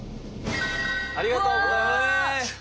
ありがとうございます！